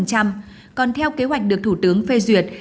còn theo kế hoạch được thủ tướng phê duyệt